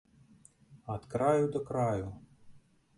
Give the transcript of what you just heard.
Ад краю да краю!